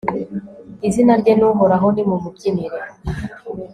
izina rye ni uhoraho, nimumubyinire